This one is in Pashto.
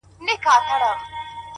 پوه انسان د غرور بندي نه وي،